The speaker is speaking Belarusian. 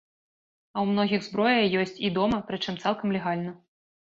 А ў многіх зброя ёсць і дома, прычым цалкам легальна.